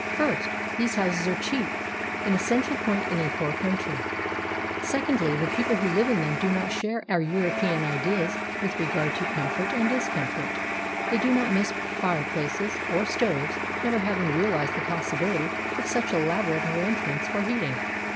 First, these houses are cheap — an essential point in a poor country. Secondly, the people who live in them do not share our European ideas with regard to comfort and discomfort. They do not miss fireplaces or stoves, never having realized the possibility of such elaborate arrangements for heating.